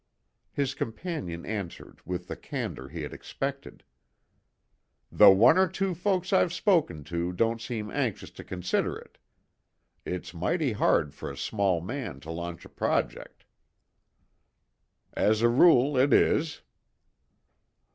His companion answered with the candour he had expected. "The one or two folks I've spoken to don't seem anxious to consider it. It's mighty hard for a small man to launch a project." "As a rule, it is."